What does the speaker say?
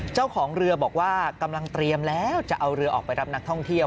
เจ้าของเรือบอกว่ากำลังเตรียมแล้วจะเอาเรือออกไปรับนักท่องเที่ยว